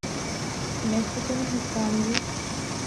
Mexican ہسپانوی